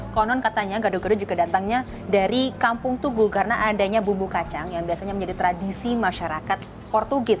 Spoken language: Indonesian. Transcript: konon katanya gado gado juga datangnya dari kampung tugu karena adanya bumbu kacang yang biasanya menjadi tradisi masyarakat portugis